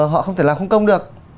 họ không thể làm không công được